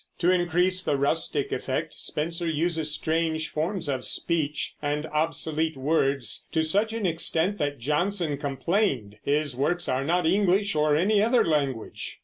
To increase the rustic effect Spenser uses strange forms of speech and obsolete words, to such an extent that Jonson complained his works are not English or any other language.